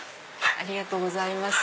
ありがとうございます。